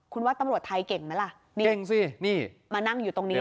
คุณว่าตำรวจไทยเก่งไหมล่ะนี่เก่งสินี่มานั่งอยู่ตรงนี้